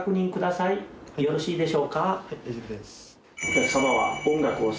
はい大丈夫です。